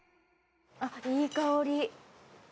あっいい香り！